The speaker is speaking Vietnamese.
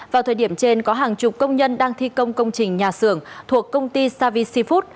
vào thời điểm trên có hàng chục công nhân đang thi công công trình nhà xưởng thuộc công ty savi food